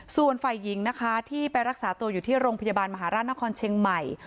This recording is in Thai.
ส่วนฝ่ายหญิงนะคะที่ไปรักษาตัวอยู่ที่โรงพยาบาลมหาราชนครเชียงใหม่